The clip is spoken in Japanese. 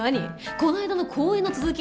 この間の公園の続き？